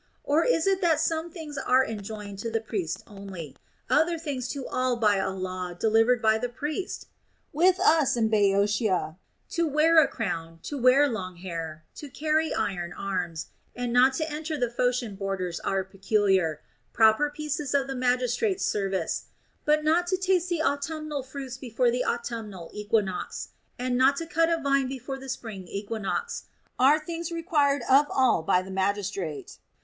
Or is it that some things are enjoined to the priest only, other things to all by a law delivered by the priest? With us (in Boeotia) to wear a crown, to wear long hair, to carry iron arms, and not to enter the Phocian borders are peculiar, proper pieces of the magistrate's service ; but not to taste au tumnal fruits before the autumnal equinox, and not to cut a vine before the spring equinox, are things required of all by the magistrate.